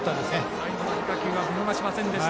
最後の変化球見逃しませんでした。